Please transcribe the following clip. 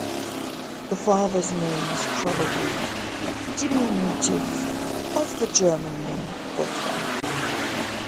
The father's name is probably diminutive of the German name Wolfgang.